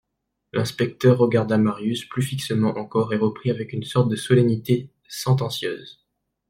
L'inspecteur regarda Marius plus fixement encore et reprit avec une sorte de solennité sentencieuse.